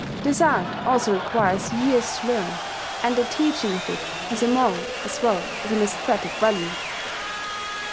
This art also requires years to learn; and the teaching of it has a moral as well as an aesthetic value.